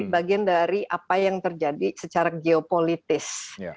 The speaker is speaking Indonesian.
bagian dari apa yang terjadi secara geopolitis